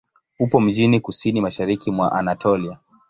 Upo mjini kusini-mashariki mwa Anatolia.